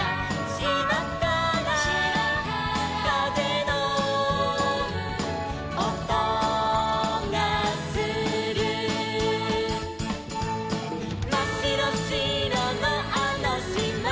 「しまからかぜのおとがする」「まっしろしろのあのしまで」